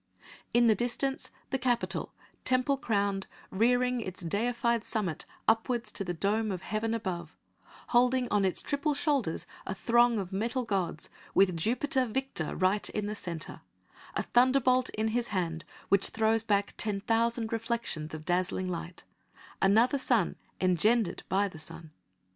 In the distance the Capitol, temple crowned, rearing its deified summit upwards to the dome of heaven above, holding on its triple shoulders a throng of metal gods, with Jupiter Victor right in the centre, a thunderbolt in his hand which throws back ten thousand reflections of dazzling light another sun engendered by the sun.